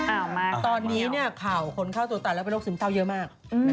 อ้าวมามาของนี้เหรอตอนนี้ข่าวคนฆ่าตัวตายแล้วเป็นโรคศึมเต้าเยอะมาก